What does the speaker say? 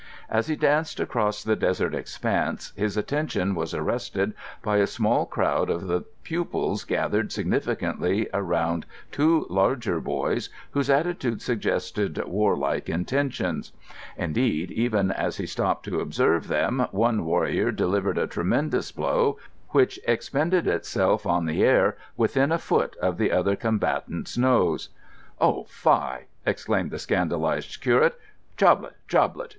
As he danced across the desert expanse, his attention was arrested by a small crowd of the pupils gathered significantly around two larger boys whose attitudes suggested warlike intentions; indeed, even as he stopped to observe them, one warrior delivered a tremendous blow which expended itself on the air within a foot of the other combatant's nose. "Oh! fie!" exclaimed the scandalised curate. "Joblett! Joblett!